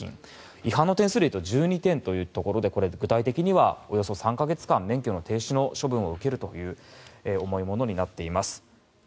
違反の点数でいうと１２点ということでこれ、具体的にはおよそ３か月間免許の停止の処分を受けるという重いものになっています。